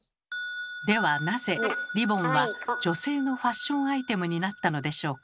ではなぜリボンは女性のファッションアイテムになったのでしょうか？